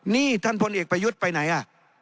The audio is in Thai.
นี่ท่านพลเอกประยุทธ์ไปไหนอ่ะ